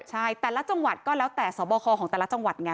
ตลาดุจังหวัดคนเล่าแต่สอบบรคกับคนจังหวัดไง